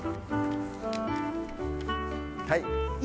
はい。